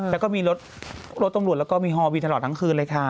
แล้วก็มีรถตรงรวดแล้วก็มีฮอบีส์ทัวร์ตลอดท้างคืนเลยค่ะ